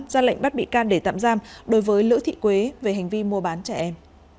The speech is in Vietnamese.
ra lệnh bắt bị can để tạm giam đối với lữ thị quế về hành vi mua bán trẻ em